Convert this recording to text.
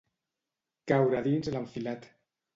Caure dins l'enfilat.